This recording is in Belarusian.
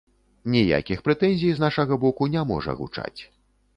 Ніякіх прэтэнзій з нашага боку не можа гучаць.